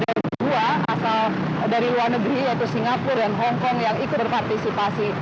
dan waktu itu ada dua asal dari luar negeri yaitu singapura dan hongkong yang ikut berpartisipasi